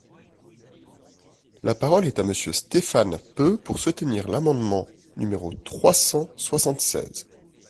La parole est à Monsieur Stéphane Peu, pour soutenir l’amendement numéro trois cent soixante-seize.